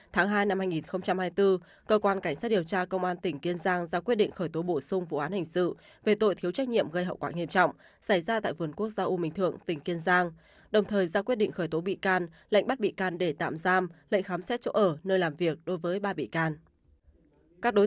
tháng hai năm hai nghìn hai mươi bốn cơ quan cảnh sát điều tra công an tỉnh kiên giang ra quyết định khởi tố bổ sung vụ án hình sự về tội thiếu trách nhiệm gây hậu quả nghiêm trọng xảy ra tại vườn quốc gia u minh thượng tỉnh kiên giang đồng thời ra quyết định khởi tố bị can lệnh bắt bị can để tạm giam lệnh khám xét chỗ ở nơi làm việc đối với ba bị can